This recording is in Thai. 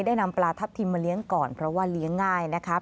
นำปลาทับทิมมาเลี้ยงก่อนเพราะว่าเลี้ยงง่ายนะครับ